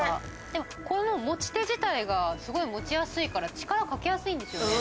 でもこの持ち手自体がすごい持ちやすいから力かけやすいんですよね。